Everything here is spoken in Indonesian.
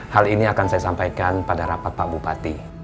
hal ini akan saya sampaikan pada rapat pak bupati